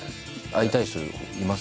会いたい人います？